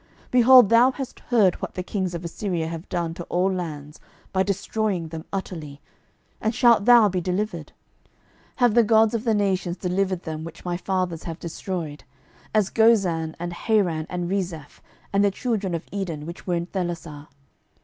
12:019:011 Behold, thou hast heard what the kings of Assyria have done to all lands, by destroying them utterly: and shalt thou be delivered? 12:019:012 Have the gods of the nations delivered them which my fathers have destroyed; as Gozan, and Haran, and Rezeph, and the children of Eden which were in Thelasar?